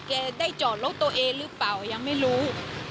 แกได้จอดรถตัวเองหรือเปล่ายังไม่รู้